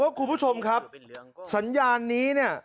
แต่ว่าคุณผู้ชมครับสัญญานนี้เนี่ย